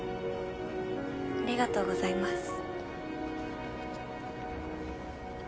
ありがとうございます。